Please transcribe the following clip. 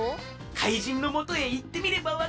かいじんのもとへいってみればわかる。